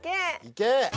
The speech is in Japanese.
いけ。